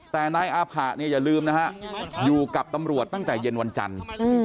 แต่นายอาภะอย่าลืมนะครับอยู่กับตำรวจตั้งใจเย็นวันจันทร์